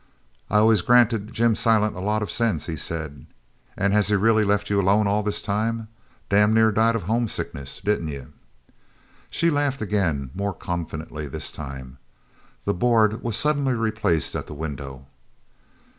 "I always granted Jim Silent a lot of sense," he said, "an' has he really left you alone all this time? Damn near died of homesickness, didn't you?" She laughed again, more confidently this time. The board was suddenly replaced at the window.